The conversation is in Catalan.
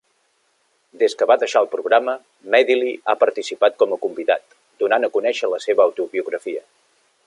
Des que va deixar el programa, Madeley ha participat com a convidat, donant a conèixer la seva autobiografia.